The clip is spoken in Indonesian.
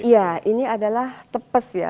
ya ini adalah tepes ya